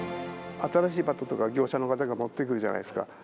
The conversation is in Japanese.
新しいバットとか業者の方が持ってくるじゃないですか。